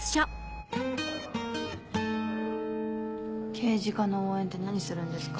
刑事課の応援って何するんですか？